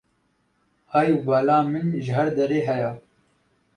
Hay û bala min ji her derê heye